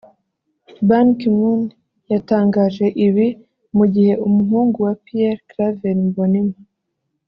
Ban Ki-moon yatangaje ibi mu gihe umuhungu wa Pierre-Claver Mbonimpa